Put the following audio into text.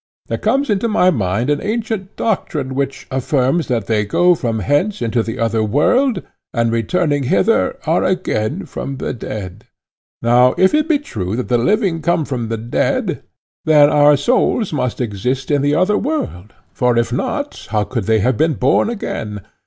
There comes into my mind an ancient doctrine which affirms that they go from hence into the other world, and returning hither, are born again from the dead. Now if it be true that the living come from the dead, then our souls must exist in the other world, for if not, how could they have been born again?